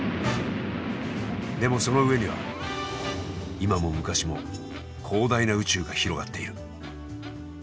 でもその上には今も昔も広大な宇宙が広がっている。